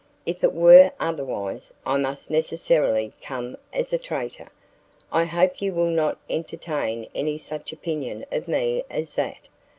"If it were otherwise, I must necessarily come as a traitor. I hope you will not entertain any such opinion of me as that.